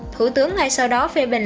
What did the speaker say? thủ tướng ngay sau đó phê bình